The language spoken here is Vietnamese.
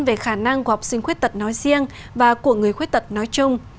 về khả năng của học sinh khuyết tật nói riêng và của người khuyết tật nói chung